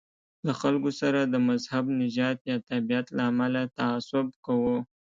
له خلکو سره د مذهب، نژاد یا تابعیت له امله تعصب کوو.